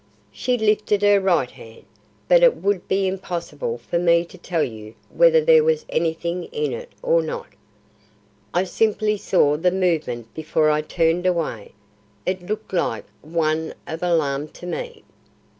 "She lifted her right hand, but it would be impossible for me to tell you whether there was anything in it or not. I simply saw the movement before I turned away. It looked like one of alarm to me.